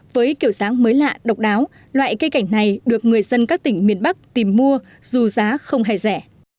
với kiểu dáng mới lạ độc đáo loại cây cảnh này được người dân các tỉnh miền bắc tìm mua dù giá không hề rẻ